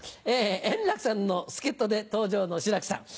円楽さんの助っ人で登場の志らくさん。